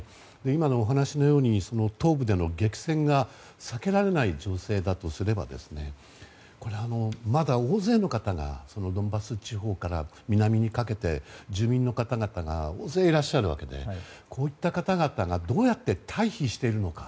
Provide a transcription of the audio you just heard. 今のお話のように東部での激戦が避けられない情勢だとすればまだ大勢の方がドンバス地方から南にかけて住民の方々が大勢いらっしゃるわけでこういった方々どうやって退避しているのか。